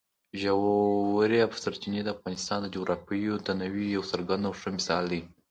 ژورې سرچینې د افغانستان د جغرافیوي تنوع یو څرګند او ښه مثال دی.